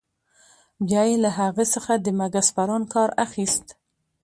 بیا يې له هغه څخه د مګس پران کار اخیست.